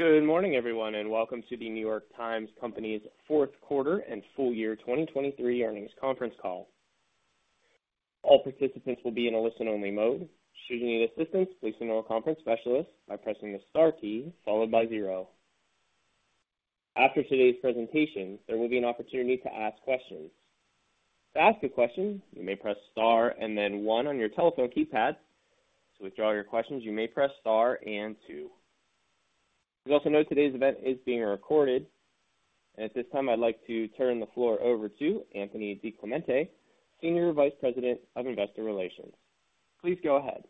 Good morning, everyone, and welcome to The New York Times Company's Q4 and full year 2023 earnings conference call. All participants will be in a listen-only mode. Should you need assistance, please email a conference specialist by pressing the Star key followed by 0. After today's presentation, there will be an opportunity to ask questions. To ask a question, you may press Star and then 1 on your telephone keypad. To withdraw your questions, you may press Star and 2. You also know today's event is being recorded. And at this time, I'd like to turn the floor over to Anthony DiClemente, Senior Vice President of Investor Relations. Please go ahead.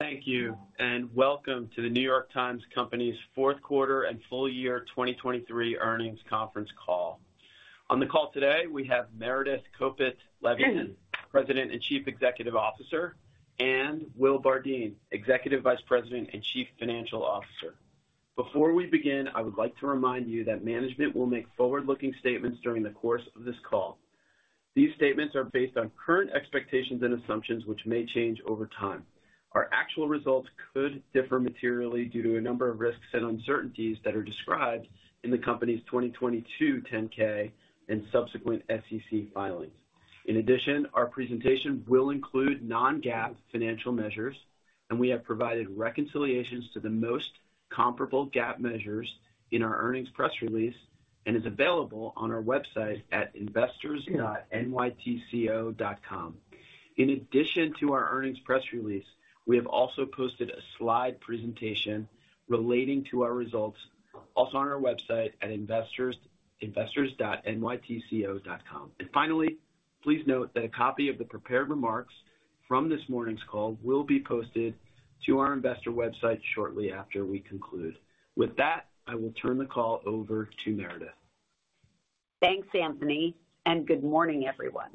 Thank you, and welcome to The New York Times Company's Q4 and full year 2023 earnings conference call. On the call today, we have Meredith Kopit Levien, President and Chief Executive Officer, and Will Bardeen, Executive Vice President and Chief Financial Officer. Before we begin, I would like to remind you that management will make forward-looking statements during the course of this call. These statements are based on current expectations and assumptions, which may change over time. Our actual results could differ materially due to a number of risks and uncertainties that are described in the company's 2022 10-K and subsequent SEC filings. In addition, our presentation will include non-GAAP financial measures, and we have provided reconciliations to the most comparable GAAP measures in our earnings press release and is available on our website at investors.nytco.com. In addition to our earnings press release, we have also posted a slide presentation relating to our results, also on our website at investors.nytco.com. Finally, please note that a copy of the prepared remarks from this morning's call will be posted to our investor website shortly after we conclude. With that, I will turn the call over to Meredith. Thanks, Anthony, and good morning, everyone.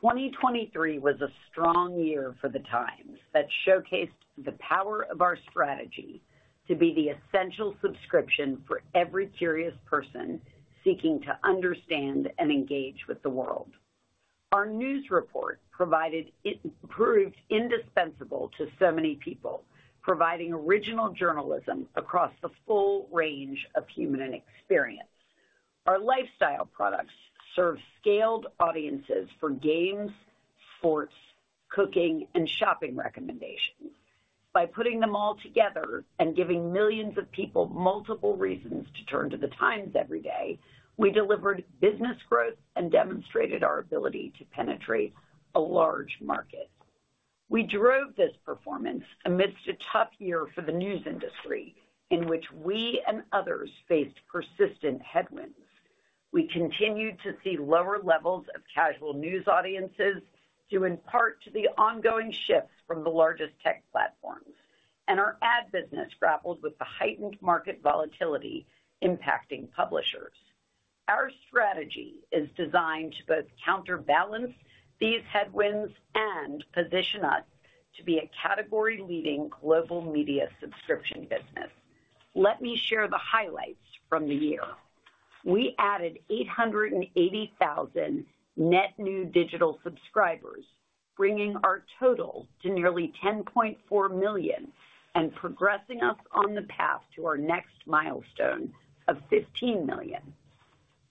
2023 was a strong year for The Times that showcased the power of our strategy to be the essential subscription for every curious person seeking to understand and engage with the world. Our news report proved indispensable to so many people, providing original journalism across the full range of human experience. Our lifestyle products serve scaled audiences for games, sports, cooking, and shopping recommendations. By putting them all together and giving millions of people multiple reasons to turn to the Times every day, we delivered business growth and demonstrated our ability to penetrate a large market. We drove this performance amidst a tough year for the news industry, in which we and others faced persistent headwinds. We continued to see lower levels of casual news audiences, due in part to the ongoing shifts from the largest tech platforms, and our ad business grappled with the heightened market volatility impacting publishers. Our strategy is designed to both counterbalance these headwinds and position us to be a category-leading global media subscription business. Let me share the highlights from the year. We added 800,000 net new digital subscribers, bringing our total to nearly 10.4 million and progressing us on the path to our next milestone of 15 million.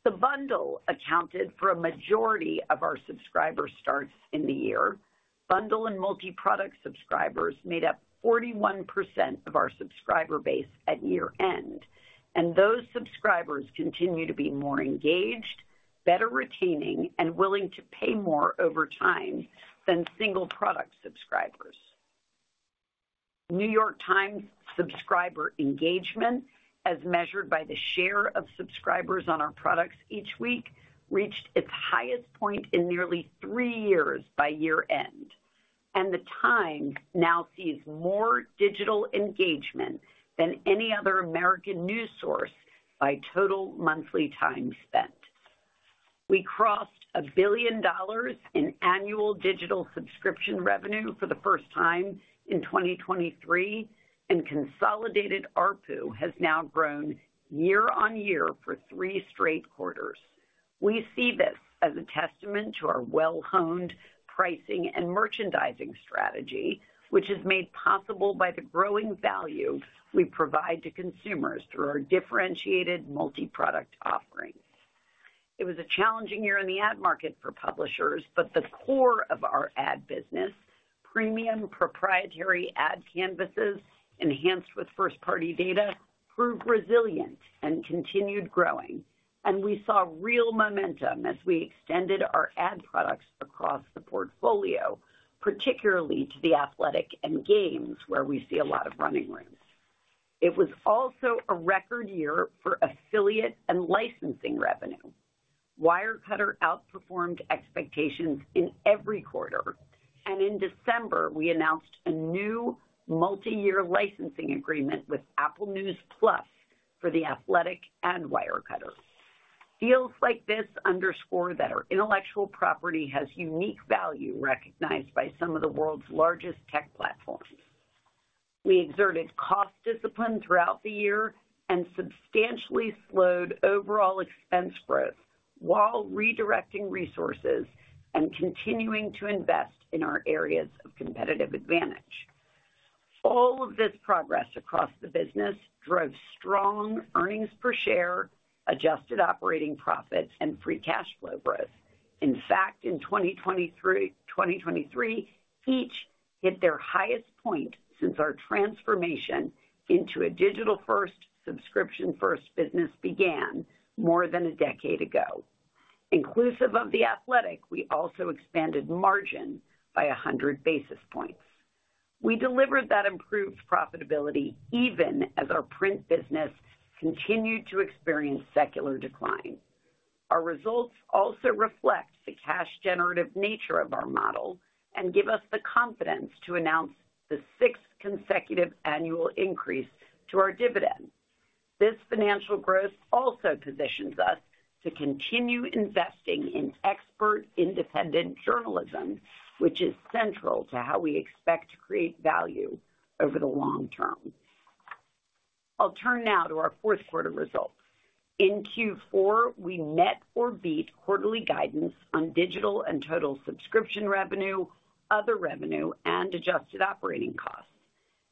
The Bundle accounted for a majority of our subscriber starts in the year. Bundle and multi-product subscribers made up 41% of our subscriber base at year-end, and those subscribers continue to be more engaged, better retaining, and willing to pay more over time than single-product subscribers. New York Times subscriber engagement, as measured by the share of subscribers on our products each week, reached its highest point in nearly three years by year-end, and The Times now sees more digital engagement than any other American news source by total monthly time spent. We crossed $1 billion in annual digital subscription revenue for the first time in 2023, and consolidated ARPU has now grown year on year for three straight quarters. We see this as a testament to our well-honed pricing and merchandising strategy, which is made possible by the growing value we provide to consumers through our differentiated multi-product offerings. It was a challenging year in the ad market for publishers, but the core of our ad business, premium proprietary ad canvases enhanced with first-party data, proved resilient and continued growing, and we saw real momentum as we extended our ad products across the portfolio, particularly to The Athletic and Games, where we see a lot of running room. It was also a record year for affiliate and licensing revenue. Wirecutter outperformed expectations in every quarter, and in December, we announced a new multi-year licensing agreement with Apple News+ for The Athletic and Wirecutter. Deals like this underscore that our intellectual property has unique value recognized by some of the world's largest tech platforms. We exerted cost discipline throughout the year and substantially slowed overall expense growth, while redirecting resources and continuing to invest in our areas of competitive advantage. All of this progress across the business drove strong earnings per share, adjusted operating profits, and free cash flow growth. In fact, in 2023, each hit their highest point since our transformation into a digital-first, subscription-first business began more than a decade ago. Inclusive of The Athletic, we also expanded margin by 100 basis points. We delivered that improved profitability even as our print business continued to experience secular decline. Our results also reflect the cash-generative nature of our model and give us the confidence to announce the sixth consecutive annual increase to our dividend. This financial growth also positions us to continue investing in expert, independent journalism, which is central to how we expect to create value over the long term. I'll turn now to our Q4 results. In Q4, we met or beat quarterly guidance on digital and total subscription revenue, other revenue, and adjusted operating costs.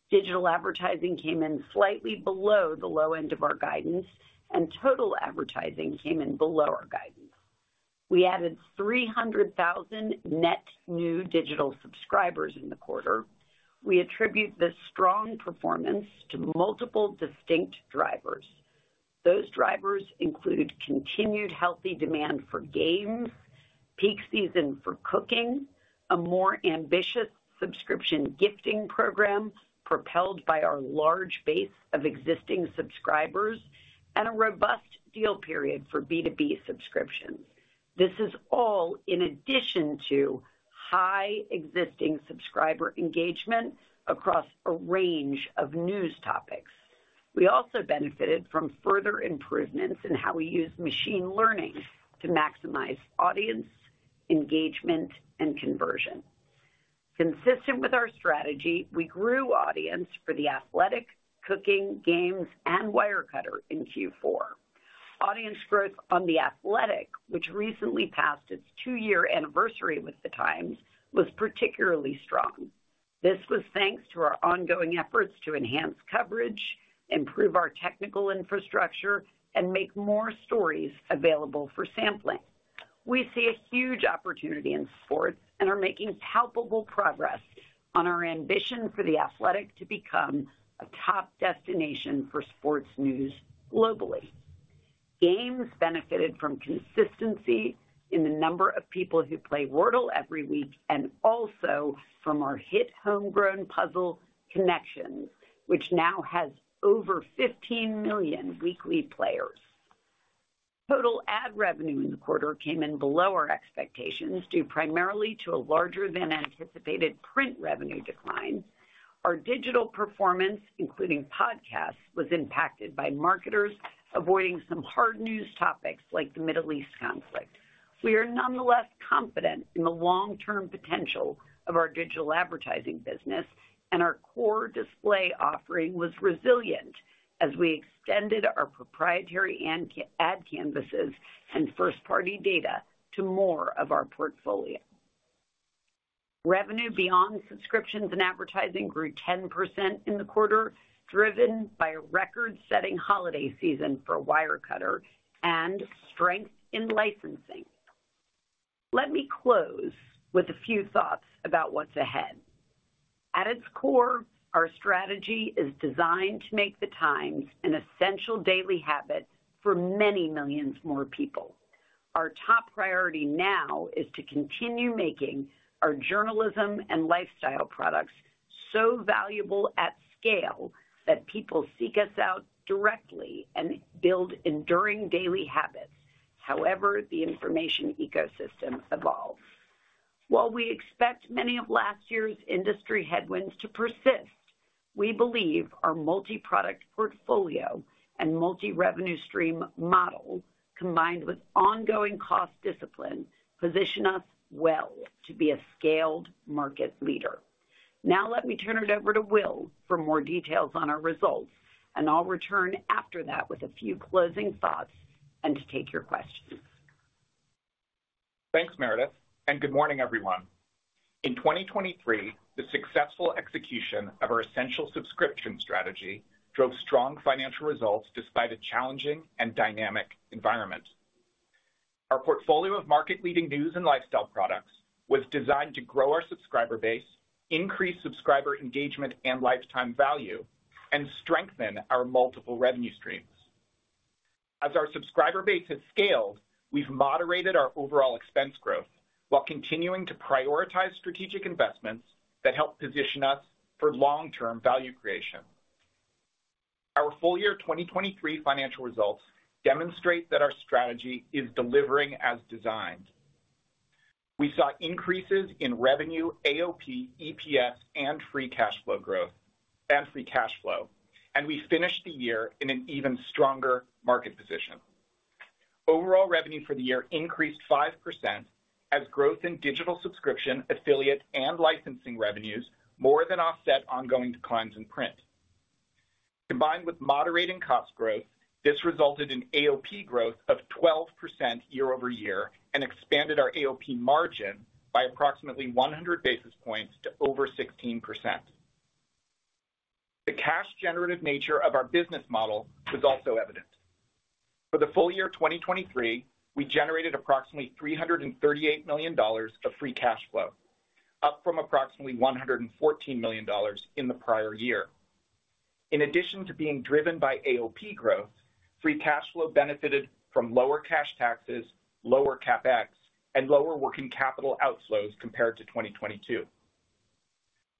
Digital advertising came in slightly below the low end of our guidance, and total advertising came in below our guidance. We added 300,000 net new digital subscribers in the quarter. We attribute this strong performance to multiple distinct drivers. Those drivers include continued healthy demand for Games, peak season for Cooking, a more ambitious subscription gifting program propelled by our large base of existing subscribers, and a robust deal period for B2B subscriptions. This is all in addition to high existing subscriber engagement across a range of news topics. We also benefited from further improvements in how we use machine learning to maximize audience engagement and conversion. Consistent with our strategy, we grew audience for The Athletic, Cooking, Games, and Wirecutter in Q4. Audience growth on The Athletic, which recently passed its 2-year anniversary with the Times, was particularly strong. This was thanks to our ongoing efforts to enhance coverage, improve our technical infrastructure, and make more stories available for sampling. We see a huge opportunity in sports and are making palpable progress on our ambition for The Athletic to become a top destination for sports news globally. Games benefited from consistency in the number of people who play Wordle every week, and also from our hit homegrown puzzle, Connections, which now has over 15 million weekly players. Total ad revenue in the quarter came in below our expectations, due primarily to a larger than anticipated print revenue decline. Our digital performance, including podcasts, was impacted by marketers avoiding some hard news topics like the Middle East conflict. We are nonetheless confident in the long-term potential of our digital advertising business, and our core display offering was resilient as we extended our proprietary and canvas ad canvases and first-party data to more of our portfolio. Revenue beyond subscriptions and advertising grew 10% in the quarter, driven by a record-setting holiday season for Wirecutter and strength in licensing. Let me close with a few thoughts about what's ahead. At its core, our strategy is designed to make the Times an essential daily habit for many millions more people. Our top priority now is to continue making our journalism and lifestyle products so valuable at scale that people seek us out directly and build enduring daily habits, however the information ecosystem evolves. While we expect many of last year's industry headwinds to persist, we believe our multiproduct portfolio and multi-revenue stream model, combined with ongoing cost discipline, position us well to be a scaled market leader. Now let me turn it over to Will for more details on our results, and I'll return after that with a few closing thoughts and to take your questions. Thanks, Meredith, and good morning, everyone. In 2023, the successful execution of our essential subscription strategy drove strong financial results despite a challenging and dynamic environment. Our portfolio of market-leading news and lifestyle products was designed to grow our subscriber base, increase subscriber engagement and lifetime value, and strengthen our multiple revenue streams. As our subscriber base has scaled, we've moderated our overall expense growth while continuing to prioritize strategic investments that help position us for long-term value creation. Our full-year 2023 financial results demonstrate that our strategy is delivering as designed. We saw increases in revenue, AOP, EPS, and free cash flow, and we finished the year in an even stronger market position. Overall revenue for the year increased 5%, as growth in digital subscription, affiliate, and licensing revenues more than offset ongoing declines in print. Combined with moderating cost growth, this resulted in AOP growth of 12% year-over-year and expanded our AOP margin by approximately 100 basis points to over 16%. The cash generative nature of our business model was also evident. For the full year 2023, we generated approximately $338 million of free cash flow, up from approximately $114 million in the prior year. In addition to being driven by AOP growth, free cash flow benefited from lower cash taxes, lower CapEx, and lower working capital outflows compared to 2022.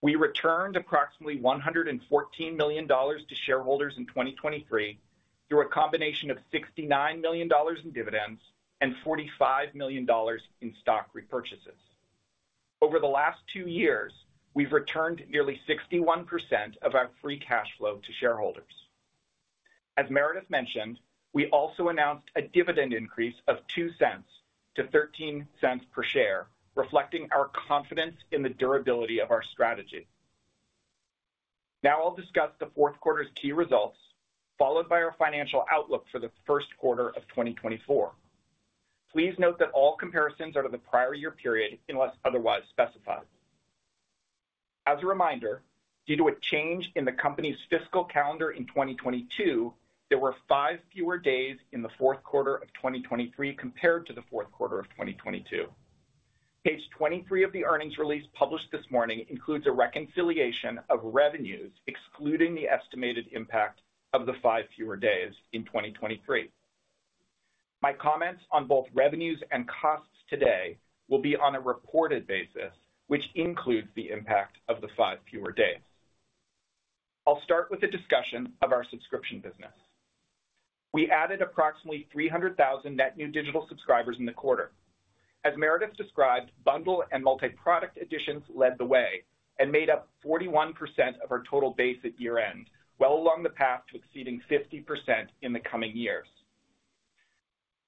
We returned approximately $114 million to shareholders in 2023 through a combination of $69 million in dividends and $45 million in stock repurchases. Over the last two years, we've returned nearly 61% of our free cash flow to shareholders. As Meredith mentioned, we also announced a dividend increase of $0.02 to $0.13 per share, reflecting our confidence in the durability of our strategy. Now I'll discuss the Q4's key results, followed by our financial outlook for the Q1 of 2024. Please note that all comparisons are to the prior year period, unless otherwise specified. As a reminder, due to a change in the company's fiscal calendar in 2022, there were 5 fewer days in the Q4 of 2023 compared to the Q4 of 2022. Page 23 of the earnings release published this morning includes a reconciliation of revenues, excluding the estimated impact of the 5 fewer days in 2023. My comments on both revenues and costs today will be on a reported basis, which includes the impact of the 5 fewer days. I'll start with a discussion of our subscription business. We added approximately 300,000 net new digital subscribers in the quarter. As Meredith described, Bundle and multiproduct additions led the way and made up 41% of our total base at year-end, well along the path to exceeding 50% in the coming years.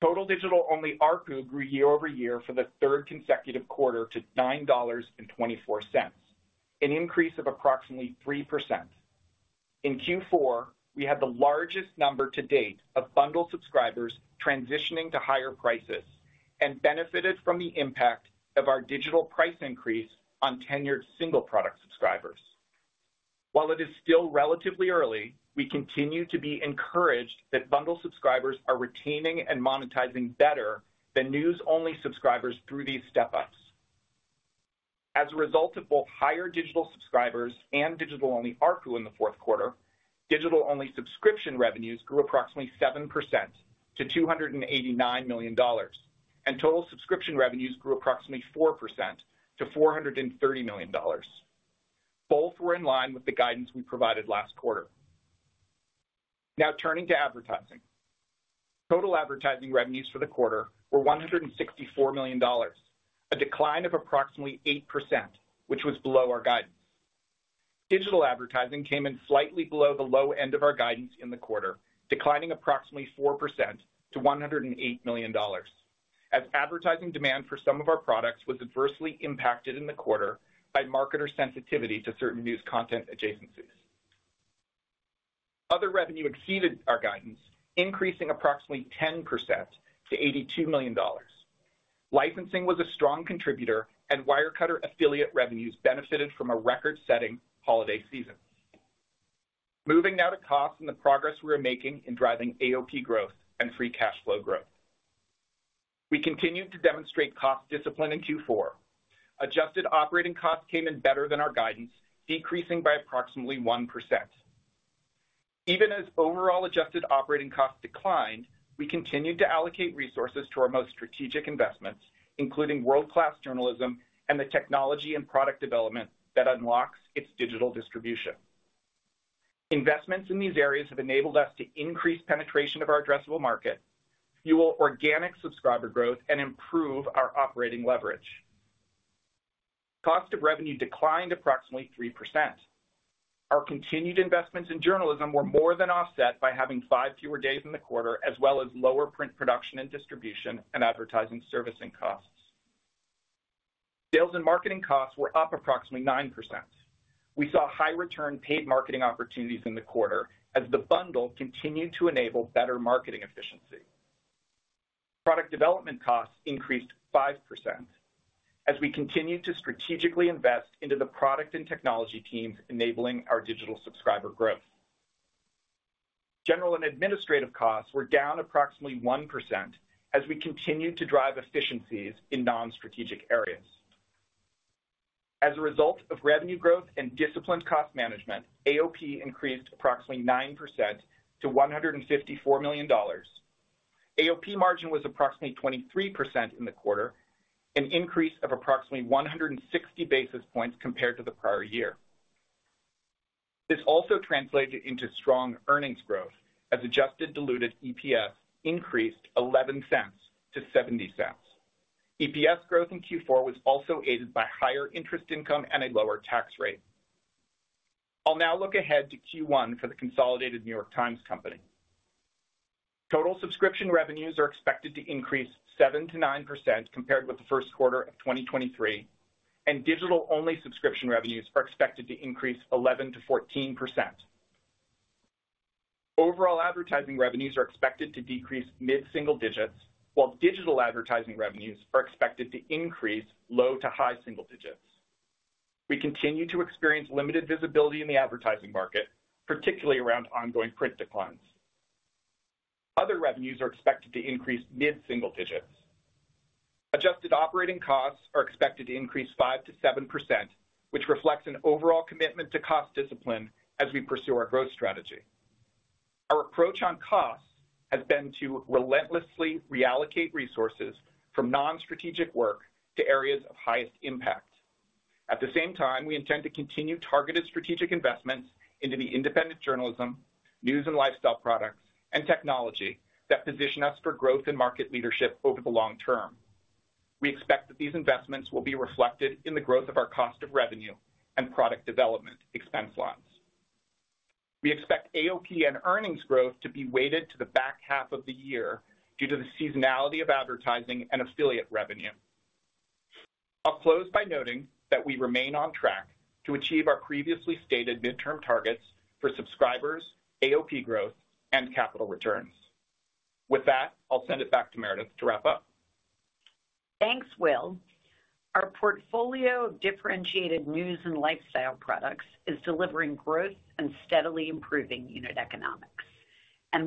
Total digital-only ARPU grew year-over-year for the third consecutive quarter to $9.24, an increase of approximately 3%. In Q4, we had the largest number to date of Bundle subscribers transitioning to higher prices and benefited from the impact of our digital price increase on tenured single product subscribers. While it is still relatively early, we continue to be encouraged that Bundle subscribers are retaining and monetizing better than news-only subscribers through these step-ups. As a result of both higher digital subscribers and digital-only ARPU in the Q4, digital-only subscription revenues grew approximately 7% to $289 million, and total subscription revenues grew approximately 4% to $430 million. Both were in line with the guidance we provided last quarter. Now, turning to advertising. Total advertising revenues for the quarter were $164 million, a decline of approximately 8%, which was below our guidance. Digital advertising came in slightly below the low end of our guidance in the quarter, declining approximately 4% to $108 million, as advertising demand for some of our products was adversely impacted in the quarter by marketer sensitivity to certain news content adjacencies. Other revenue exceeded our guidance, increasing approximately 10% to $82 million. Licensing was a strong contributor, and Wirecutter affiliate revenues benefited from a record-setting holiday season. Moving now to costs and the progress we are making in driving AOP growth and free cash flow growth. We continued to demonstrate cost discipline in Q4. Adjusted operating costs came in better than our guidance, decreasing by approximately 1%. Even as overall adjusted operating costs declined, we continued to allocate resources to our most strategic investments, including world-class journalism and the technology and product development that unlocks its digital distribution. Investments in these areas have enabled us to increase penetration of our addressable market, fuel organic subscriber growth, and improve our operating leverage. Cost of revenue declined approximately 3%. Our continued investments in journalism were more than offset by having five fewer days in the quarter, as well as lower print production and distribution and advertising servicing costs. Sales and marketing costs were up approximately 9%. We saw high return paid marketing opportunities in the quarter as the Bundle continued to enable better marketing efficiency. Product development costs increased 5% as we continued to strategically invest into the product and technology teams, enabling our digital subscriber growth. General and administrative costs were down approximately 1% as we continued to drive efficiencies in non-strategic areas. As a result of revenue growth and disciplined cost management, AOP increased approximately 9% to $154 million. AOP margin was approximately 23% in the quarter, an increase of approximately 160 basis points compared to the prior year. This also translated into strong earnings growth, as adjusted diluted EPS increased $0.11 to $0.70. EPS growth in Q4 was also aided by higher interest income and a lower tax rate. I'll now look ahead to Q1 for the consolidated New York Times Company... Total subscription revenues are expected to increase 7%-9% compared with the Q1 of 2023, and digital-only subscription revenues are expected to increase 11%-14%. Overall advertising revenues are expected to decrease mid-single digits, while digital advertising revenues are expected to increase low to high single digits. We continue to experience limited visibility in the advertising market, particularly around ongoing print declines. Other revenues are expected to increase mid-single digits. Adjusted operating costs are expected to increase 5%-7%, which reflects an overall commitment to cost discipline as we pursue our growth strategy. Our approach on costs has been to relentlessly reallocate resources from non-strategic work to areas of highest impact. At the same time, we intend to continue targeted strategic investments into the independent journalism, news and lifestyle products, and technology that position us for growth and market leadership over the long term. We expect that these investments will be reflected in the growth of our cost of revenue and product development expense lines. We expect AOP and earnings growth to be weighted to the back half of the year due to the seasonality of advertising and affiliate revenue. I'll close by noting that we remain on track to achieve our previously stated midterm targets for subscribers, AOP growth, and capital returns. With that, I'll send it back to Meredith to wrap up. Thanks, Will. Our portfolio of differentiated news and lifestyle products is delivering growth and steadily improving unit economics.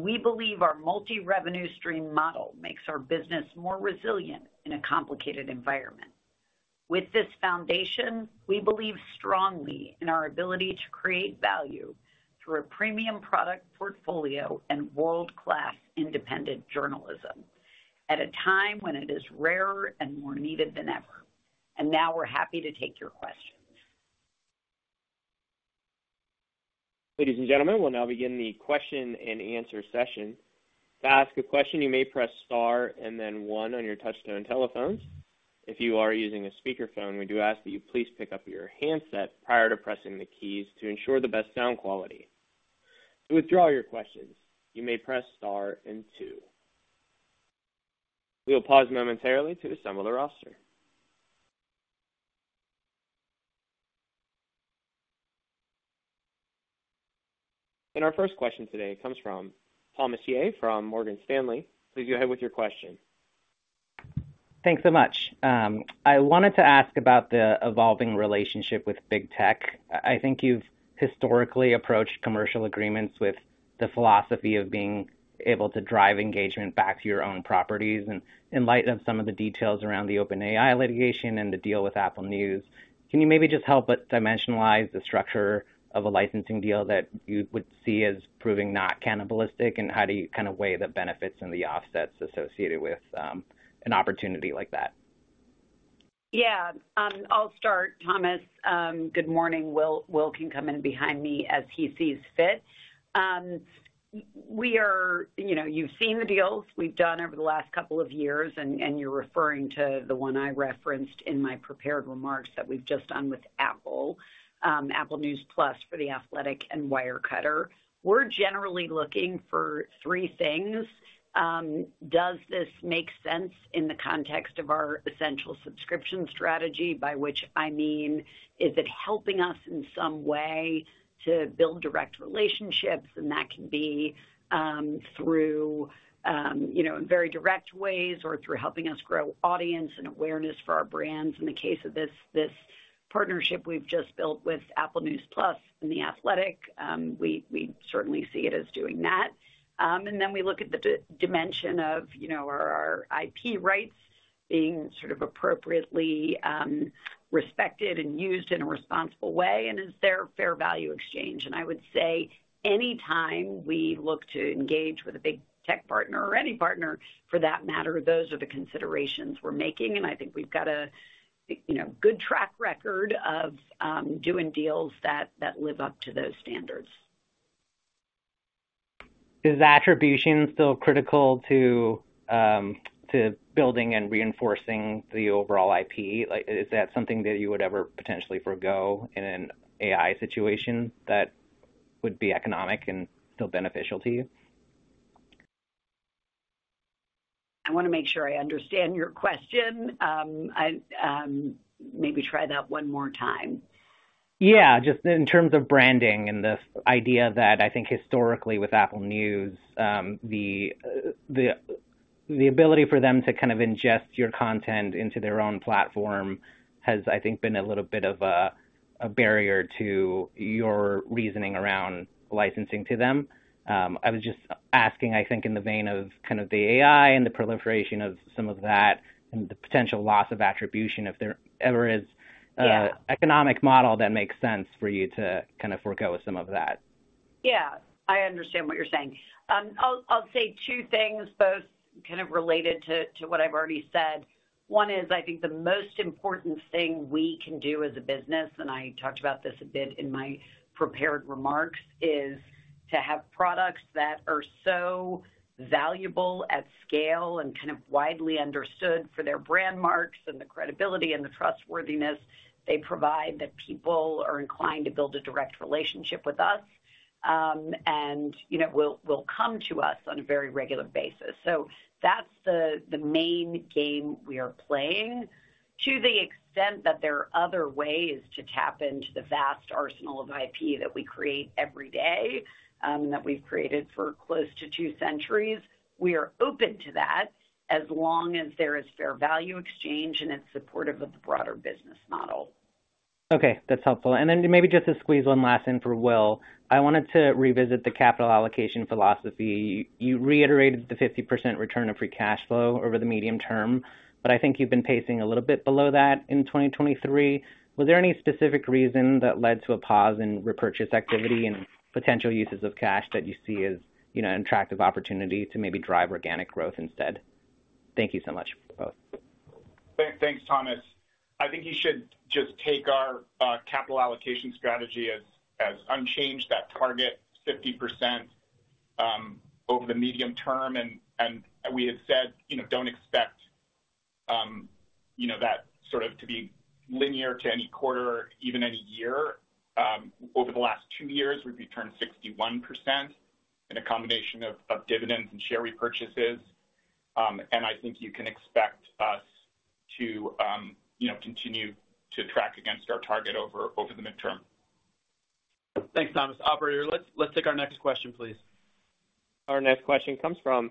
We believe our multi-revenue stream model makes our business more resilient in a complicated environment. With this foundation, we believe strongly in our ability to create value through a premium product portfolio and world-class independent journalism at a time when it is rarer and more needed than ever. Now we're happy to take your questions. Ladies and gentlemen, we'll now begin the question and answer session. To ask a question, you may press star and then one on your touchtone telephones. If you are using a speakerphone, we do ask that you please pick up your handset prior to pressing the keys to ensure the best sound quality. To withdraw your questions, you may press star and two. We will pause momentarily to assemble the roster. Our first question today comes from Thomas Yeh from Morgan Stanley. Please go ahead with your question. Thanks so much. I wanted to ask about the evolving relationship with Big Tech. I, I think you've historically approached commercial agreements with the philosophy of being able to drive engagement back to your own properties. And in light of some of the details around the OpenAI litigation and the deal with Apple News, can you maybe just help us dimensionalize the structure of a licensing deal that you would see as proving not cannibalistic? And how do you kind of weigh the benefits and the offsets associated with an opportunity like that? Yeah, I'll start, Thomas. Good morning. Will, Will can come in behind me as he sees fit. We are, you know, you've seen the deals we've done over the last couple of years, and, and you're referring to the one I referenced in my prepared remarks that we've just done with Apple, Apple News+ for The Athletic and Wirecutter. We're generally looking for three things: Does this make sense in the context of our essential subscription strategy? By which I mean, is it helping us in some way to build direct relationships? And that can be, through, you know, very direct ways or through helping us grow audience and awareness for our brands. In the case of this, this partnership we've just built with Apple News+ and The Athletic, we, we certainly see it as doing that. Then we look at the dimension of, you know, are our IP rights being sort of appropriately respected and used in a responsible way, and is there fair value exchange? And I would say anytime we look to engage with a big tech partner or any partner for that matter, those are the considerations we're making, and I think we've got a, you know, good track record of doing deals that live up to those standards. Is attribution still critical to building and reinforcing the overall IP? Like, is that something that you would ever potentially forego in an AI situation that would be economic and still beneficial to you? I want to make sure I understand your question. Maybe try that one more time. Yeah, just in terms of branding and the idea that I think historically with Apple News, the ability for them to kind of ingest your content into their own platform has, I think, been a little bit of a barrier to your reasoning around licensing to them. I was just asking, I think, in the vein of kind of the AI and the proliferation of some of that and the potential loss of attribution, if there ever is- Yeah... an economic model that makes sense for you to kind of forego some of that. Yeah, I understand what you're saying. I'll say two things, both kind of related to what I've already said. One is, I think the most important thing we can do as a business, and I talked about this a bit in my prepared remarks, is to have products that are so valuable at scale and kind of widely understood for their brand marks and the credibility and the trustworthiness they provide, that people are inclined to build a direct relationship with us, and you know, will come to us on a very regular basis. So that's the main game we are playing. To the extent that there are other ways to tap into the vast arsenal of IP that we create every day, that we've created for close to two centuries, we are open to that as long as there is fair value exchange and it's supportive of the broader business model. Okay, that's helpful. Then maybe just to squeeze one last in for Will. I wanted to revisit the capital allocation philosophy. You reiterated the 50% return of free cash flow over the medium term, but I think you've been pacing a little bit below that in 2023. Was there any specific reason that led to a pause in repurchase activity and potential uses of cash that you see as, you know, an attractive opportunity to maybe drive organic growth instead? Thank you so much for both. Thanks, Thomas. I think you should just take our capital allocation strategy as unchanged, that target 50% over the medium term. And we had said, you know, don't expect that sort of to be linear to any quarter or even any year. Over the last two years, we've returned 61% in a combination of dividends and share repurchases. And I think you can expect us to continue to track against our target over the midterm. Thanks, Thomas. Operator, let's take our next question, please. Our next question comes from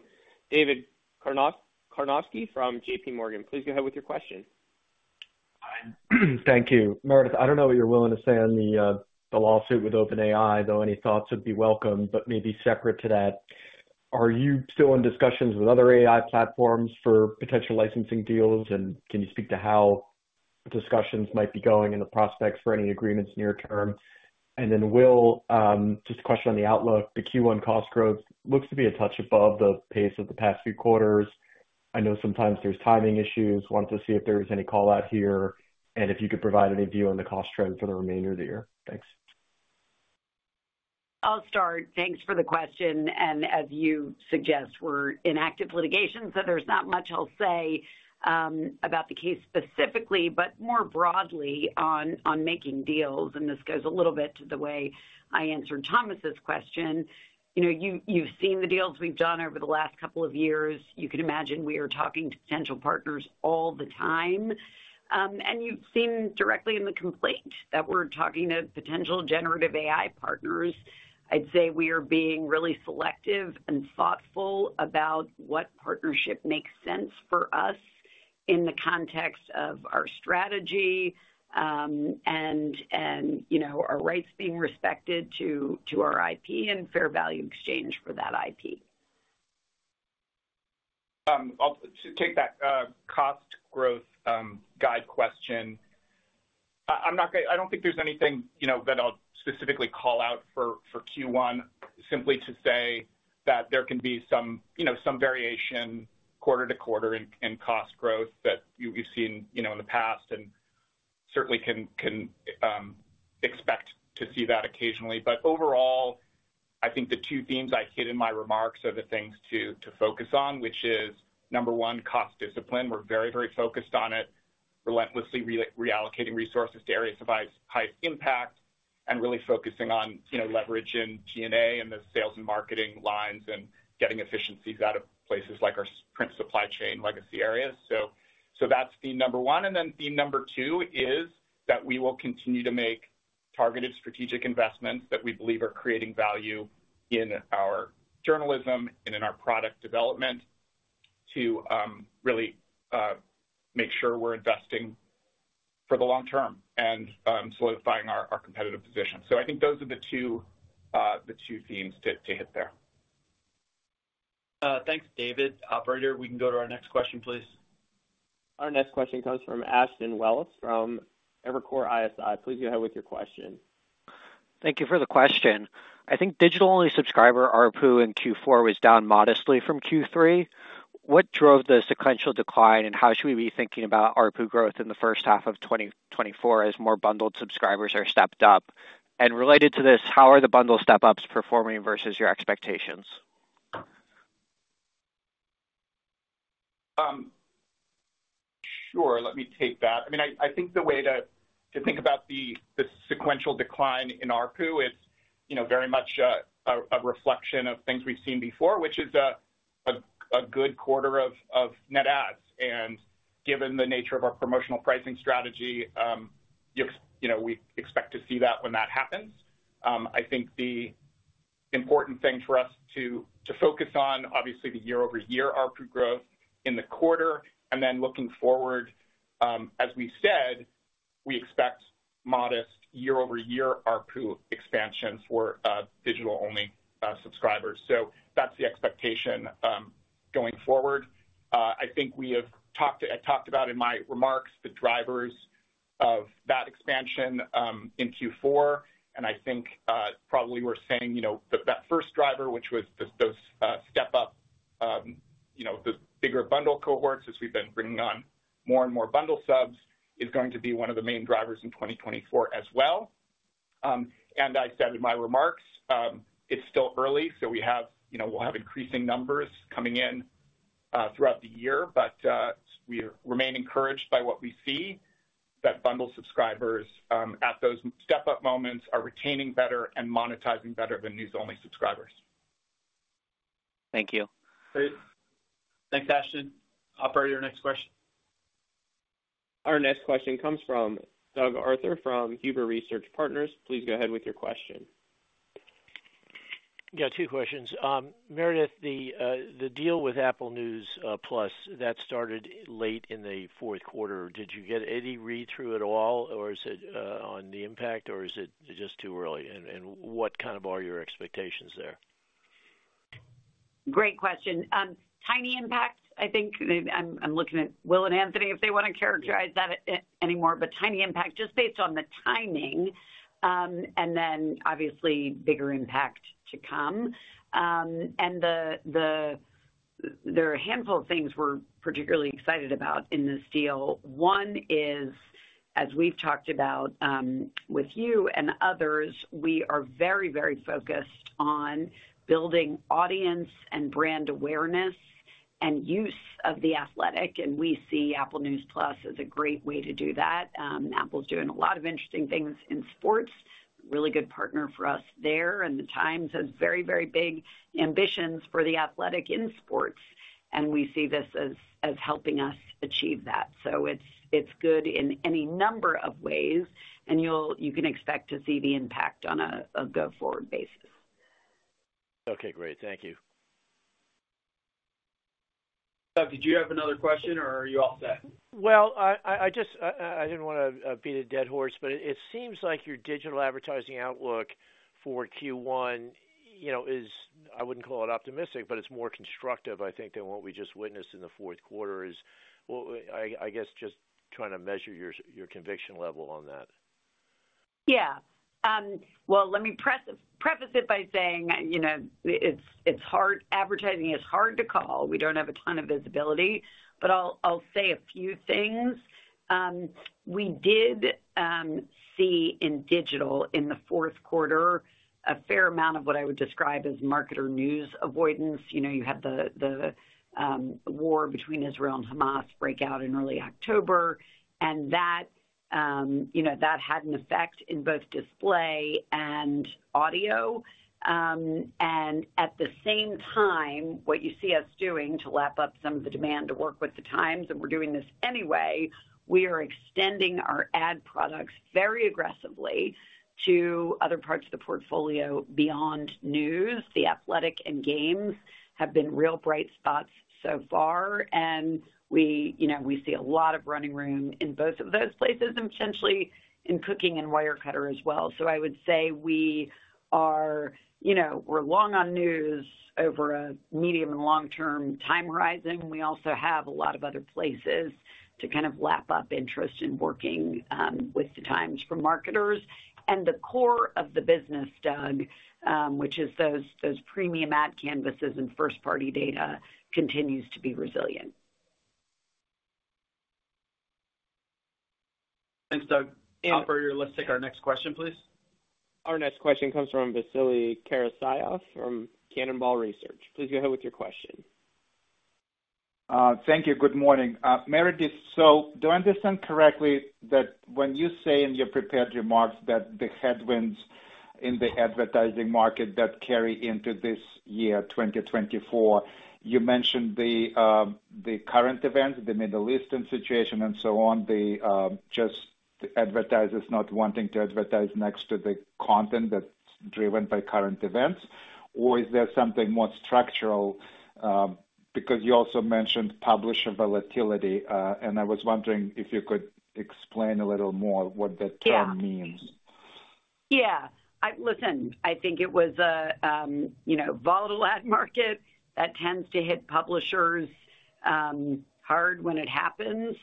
David Karnovsky from J.P. Morgan. Please go ahead with your question. Thank you. Meredith, I don't know what you're willing to say on the lawsuit with OpenAI, though any thoughts would be welcome, but maybe separate to that: Are you still in discussions with other AI platforms for potential licensing deals? And can you speak to how discussions might be going and the prospects for any agreements near term? And then, Will, just a question on the outlook. The Q1 cost growth looks to be a touch above the pace of the past few quarters. I know sometimes there's timing issues. Wanted to see if there was any call-out here, and if you could provide any view on the cost trend for the remainder of the year. Thanks. I'll start. Thanks for the question, and as you suggest, we're in active litigation, so there's not much I'll say about the case specifically, but more broadly on making deals, and this goes a little bit to the way I answered Thomas's question. You know, you've seen the deals we've done over the last couple of years. You can imagine we are talking to potential partners all the time. And you've seen directly in the complaint that we're talking to potential generative AI partners. I'd say we are being really selective and thoughtful about what partnership makes sense for us in the context of our strategy, and you know, our rights being respected to our IP and fair value exchange for that IP. I'll take that cost growth guide question. I'm not gonna—I don't think there's anything, you know, that I'll specifically call out for Q1, simply to say that there can be some, you know, some variation quarter to quarter in cost growth that you, you've seen, you know, in the past, and certainly can expect to see that occasionally. But overall, I think the two themes I hit in my remarks are the things to focus on, which is, number one, cost discipline. We're very focused on it, relentlessly reallocating resources to areas of high impact, and really focusing on, you know, leveraging G&A and the sales and marketing lines and getting efficiencies out of places like our print supply chain legacy areas. So that's theme number one, and then theme number two is that we will continue to make targeted strategic investments that we believe are creating value in our journalism and in our product development to really make sure we're investing for the long term and solidifying our competitive position. So I think those are the two themes to hit there. Thanks, David. Operator, we can go to our next question, please. Our next question comes from Ashton Wells, from Evercore ISI. Please go ahead with your question. Thank you for the question. I think digital-only subscriber ARPU in Q4 was down modestly from Q3. What drove the sequential decline, and how should we be thinking about ARPU growth in the first half of 2024 as more bundled subscribers are stepped up? And related to this, how are the bundle step-ups performing versus your expectations? Sure, let me take that. I mean, I think the way to think about the sequential decline in ARPU, it's, you know, very much a reflection of things we've seen before, which is a good quarter of net adds. And given the nature of our promotional pricing strategy, you know, we expect to see that when that happens. I think the important thing for us to focus on, obviously, the year-over-year ARPU growth in the quarter, and then looking forward, as we said, we expect modest year-over-year ARPU expansion for digital-only subscribers. So that's the expectation going forward. I think I talked about in my remarks the drivers of that expansion in Q4, and I think probably we're saying, you know, that that first driver, which was those step up, you know, the bigger bundle cohorts, as we've been bringing on more and more bundle subs, is going to be one of the main drivers in 2024 as well. And I said in my remarks, it's still early, so we have... You know, we'll have increasing numbers coming in... throughout the year, but we remain encouraged by what we see, that bundle subscribers at those step-up moments are retaining better and monetizing better than news-only subscribers. Thank you. Great. Thanks, Ashton. Operator, next question. Our next question comes from Doug Arthur from Huber Research Partners. Please go ahead with your question. Yeah, two questions. Meredith, the deal with Apple News+ that started late in the fourth quarter. Did you get any read-through at all, or is it on the impact or is it just too early? And what kind of are your expectations there? Great question. Tiny impact I think. I'm looking at Will and Anthony if they want to characterize that any more, but tiny impact, just based on the timing. And then obviously, bigger impact to come. There are a handful of things we're particularly excited about in this deal. One is, as we've talked about, with you and others, we are very, very focused on building audience and brand awareness and use of The Athletic, and we see Apple News+ as a great way to do that. Apple's doing a lot of interesting things in sports. Really good partner for us there, and the Times has very, very big ambitions for The Athletic in sports, and we see this as helping us achieve that. So it's good in any number of ways, and you can expect to see the impact on a go-forward basis. Okay, great. Thank you. Doug, did you have another question or are you all set? Well, I just didn't want to beat a dead horse, but it seems like your digital advertising outlook for Q1, you know, is... I wouldn't call it optimistic, but it's more constructive, I think, than what we just witnessed in the fourth quarter. I guess just trying to measure your conviction level on that. Yeah. Well, let me preface it by saying, you know, it's hard. Advertising is hard to call. We don't have a ton of visibility, but I'll say a few things. We did see in digital in the fourth quarter a fair amount of what I would describe as marketer news avoidance. You know, you had the war between Israel and Hamas break out in early October, and that had an effect in both display and audio. And at the same time, what you see us doing to lap up some of the demand to work with The Times, and we're doing this anyway, we are extending our ad products very aggressively to other parts of the portfolio beyond news. The Athletic and Games have been real bright spots so far, and we, you know, we see a lot of running room in both of those places and potentially in Cooking and Wirecutter as well. So I would say we are, you know, we're long on news over a medium and long-term time horizon. We also have a lot of other places to kind of lap up interest in working with The Times for marketers. And the core of the business, Doug, which is those, those premium ad canvases and first-party data, continues to be resilient. Thanks, Doug. Operator, let's take our next question, please. Our next question comes from Vasily Karasyov from Cannonball Research. Please go ahead with your question. Thank you. Good morning. Meredith, so do I understand correctly that when you say in your prepared remarks that the headwinds in the advertising market that carry into this year, 2024, you mentioned the current events, the Middle Eastern situation and so on, just advertisers not wanting to advertise next to the content that's driven by current events? Or is there something more structural, because you also mentioned publisher volatility, and I was wondering if you could explain a little more what that term means. Yeah. Listen, I think it was a, you know, volatile ad market that tends to hit publishers, hard when it happens.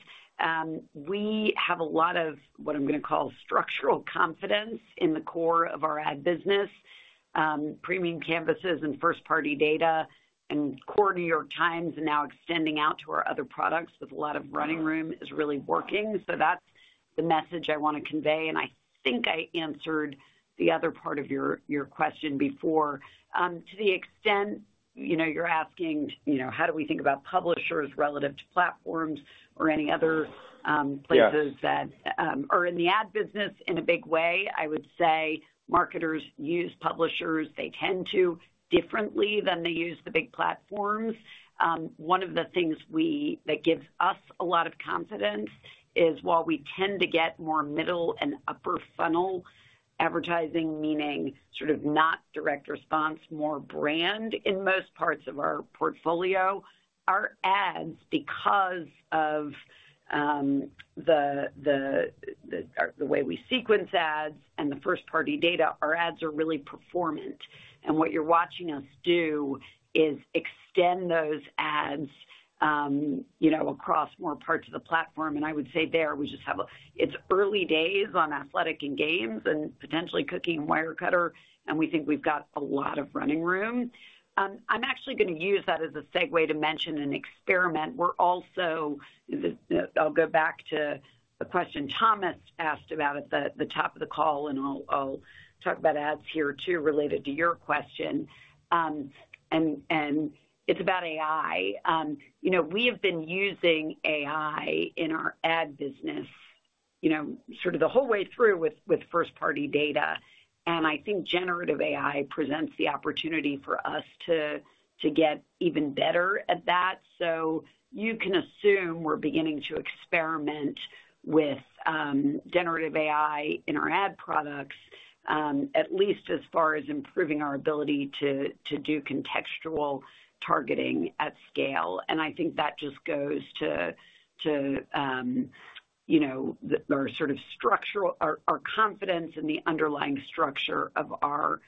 We have a lot of what I'm going to call structural confidence in the core of our ad business. Premium canvases and first-party data and core New York Times are now extending out to our other products with a lot of running room is really working. So that's the message I want to convey, and I think I answered the other part of your, your question before. To the extent, you know, you're asking, you know, how do we think about publishers relative to platforms or any other, Yeah places that are in the ad business in a big way, I would say marketers use publishers, they tend to differently than they use the big platforms. One of the things that gives us a lot of confidence is while we tend to get more middle and upper funnel advertising, meaning sort of not direct response, more brand in most parts of our portfolio, our ads, because of the way we sequence ads and the first-party data, our ads are really performant. And what you're watching us do is extend those ads, you know, across more parts of the platform. And I would say there, we just have a- it's early days on Athletic and Games and potentially Cooking and Wirecutter, and we think we've got a lot of running room. I'm actually going to use that as a segue to mention an experiment. We're also... I'll go back to the question Thomas asked about at the, the top of the call, and I'll, I'll talk about ads here too, related to your question. And, and it's about AI. You know, we have been using AI in our ad business... you know, sort of the whole way through with, with first-party data. And I think generative AI presents the opportunity for us to, to get even better at that. So you can assume we're beginning to experiment with, generative AI in our ad products, at least as far as improving our ability to, to do contextual targeting at scale. And I think that just goes to, to, you know, the sort of structural-- our, our confidence in the underlying structure of our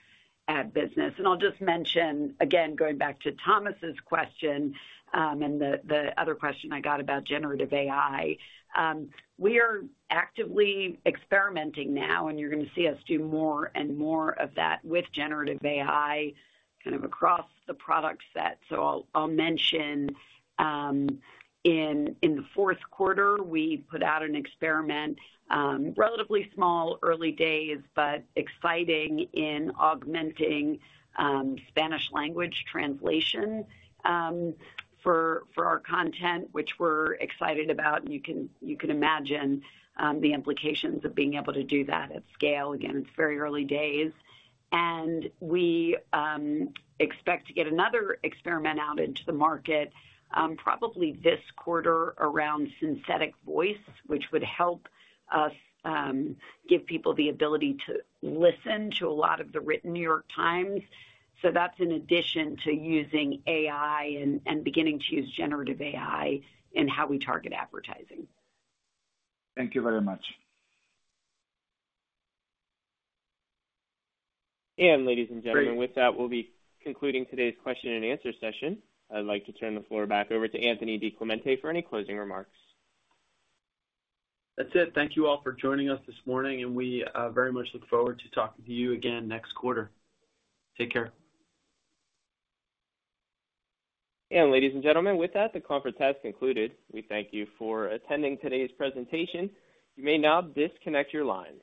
ad business. I'll just mention, again, going back to Thomas's question, and the other question I got about generative AI. We are actively experimenting now, and you're going to see us do more and more of that with generative AI, kind of across the product set. So I'll mention, in the fourth quarter, we put out an experiment, relatively small, early days, but exciting in augmenting Spanish language translation for our content, which we're excited about. And you can imagine the implications of being able to do that at scale. Again, it's very early days, and we expect to get another experiment out into the market, probably this quarter around synthetic voice, which would help us give people the ability to listen to a lot of the written New York Times. So that's in addition to using AI and beginning to use generative AI in how we target advertising. Thank you very much. Ladies and gentlemen, with that, we'll be concluding today's question and answer session. I'd like to turn the floor back over to Anthony DiClemente for any closing remarks. That's it. Thank you all for joining us this morning, and we very much look forward to talking to you again next quarter. Take care. Ladies and gentlemen, with that, the conference has concluded. We thank you for attending today's presentation. You may now disconnect your lines.